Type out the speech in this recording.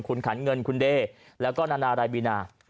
คุณขันเงินคุณเดย์แล้วก็นานารายบีนา